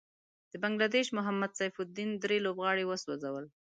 د بنګله دېش محمد سيف الدين دری لوبغاړی وسوځل.